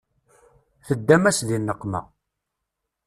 Teddam-as di nneqma